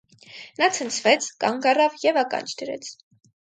Նա ցնցվեց, կանգ առավ և ականջ դրեց: